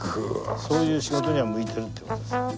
そういう仕事には向いてるって事です。